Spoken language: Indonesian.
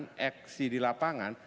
meskipun secara lapangan